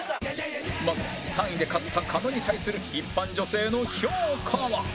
まずは３位で勝った狩野に対する一般女性の評価は？